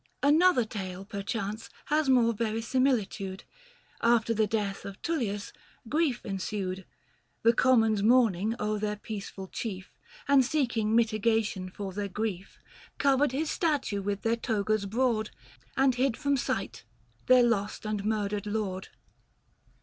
Another tale Perchance has more verisimilitude. 700 After the death of Tullius, grief ensued ; The Commons mourning o'er their peaceful chief, And seeking mitigation for their grief, Covered his statue with their togas broad, And hid from sight their lost and murdered lord.